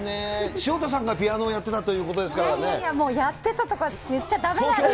潮田さんがピアノをやってたといいやいや、もうやってたとか言っちゃだめなレベルです。